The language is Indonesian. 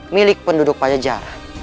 milik penduduk pajajara